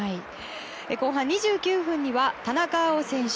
後半２９分には田中碧選手